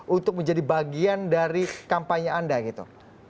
untuk menjadi bagian dari kampanye anda gitu